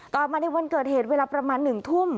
ต่อมาในวันเกิดเหตุเวลาประมาณ๑ทุ่ม